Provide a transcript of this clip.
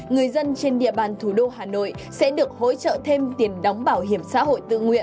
người dân trên địa bàn thủ đô hà nội sẽ được hỗ trợ thêm tiền đóng bảo hiểm xã hội tự nguyện